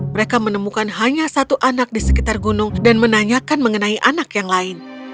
mereka menemukan hanya satu anak di sekitar gunung dan menanyakan mengenai anak yang lain